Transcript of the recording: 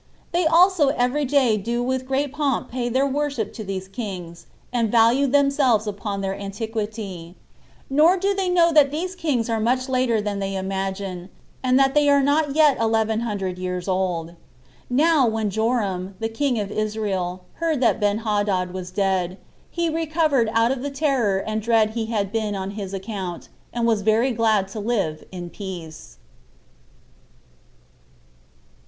They also every day do with great pomp pay their worship to these kings, 13 and value themselves upon their antiquity; nor do they know that these kings are much later than they imagine, and that they are not yet eleven hundred years old. Now when Joram, the king of Israel, heard that Benhadad was dead, he recovered out of the terror and dread he had been in on his account, and was very glad to live in peace.